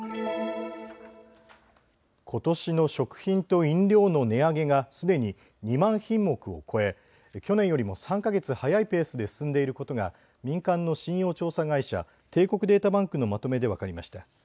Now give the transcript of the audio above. ことしの食品と飲料の値上げがすでに２万品目を超え去年よりも３か月早いペースで進んでいることが民間の信用調査会社、帝国データバンクのまとめで分かりました。